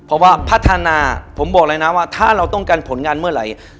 เพราะว่าพัฒนาผมบอกเลยนะว่าถ้าเราต้องการผลงานเมื่อไหร่